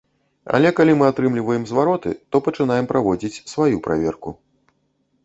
Але калі мы атрымліваем звароты, то пачынаем праводзіць сваю праверку.